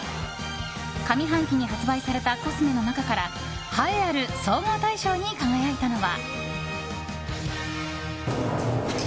上半期に発売されたコスメの中からはえある総合大賞に輝いたのは。